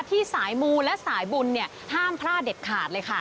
ที่สายมูและสายบุญห้ามพลาดเด็ดขาดเลยค่ะ